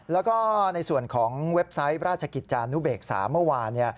แล้วก็ในส่วนของเว็บไซต์ราชกิจจานุเบกษาเมื่อวาน